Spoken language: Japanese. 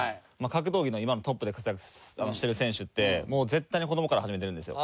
格闘技の今トップで活躍してる選手ってもう絶対に子供から始めてるんですよ。